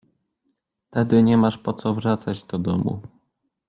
— Tedy nie masz po co wracać do domu!